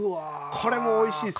これもおいしいっすよ。